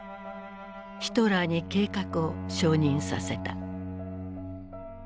ヒトラーに計画を承認させた。